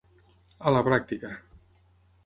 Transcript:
A la pràctica.